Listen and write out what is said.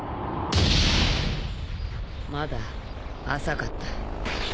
まだ浅かった。